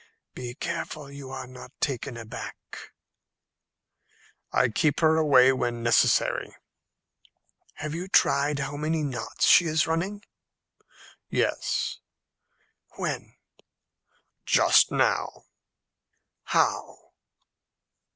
"Be careful you are not taken aback." "I keep her away when necessary." "Have you tried how many knots she is running?" "Yes." "When?" "Just now." "How?"